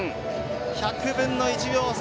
１００分の１秒差。